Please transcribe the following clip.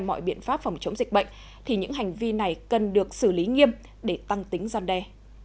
mọi biện pháp phòng chống dịch bệnh thì những hành vi này cần được xử lý nghiêm để tăng tính gian đe